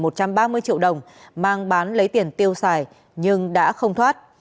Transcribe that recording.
triệu đồng mang bán lấy tiền tiêu xài nhưng đã không thoát